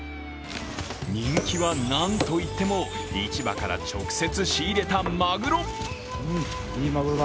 人気は、なんといっても市場から直接仕入れたマグロ。